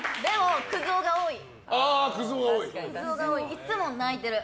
いつも泣いてる。